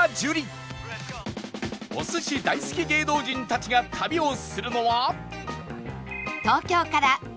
お寿司大好き芸能人たちが旅をするのは